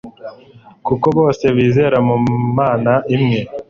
kuko bose bizera mu mana imwe